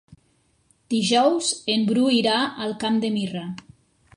Dijous en Bru irà al Camp de Mirra.